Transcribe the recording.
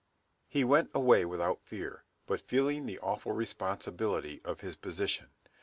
He went away without fear, but feeling the awful responsibility of his position.